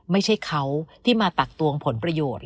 ไม่ใช่เขาที่มาตักตวงผลประโยชน์